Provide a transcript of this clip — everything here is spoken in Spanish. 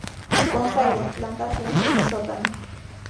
Consta de dos plantas y un semisótano.